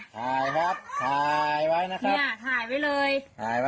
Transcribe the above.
ถ่ายครับถ่ายไว้นะครับถ่ายไว้นะครับ